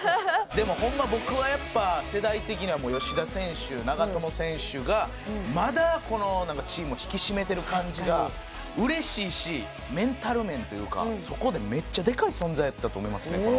でもホンマ僕はやっぱ世代的には吉田選手長友選手がまだこのチームを引き締めてる感じが嬉しいしメンタル面というかそこでめっちゃでかい存在やったと思いますね。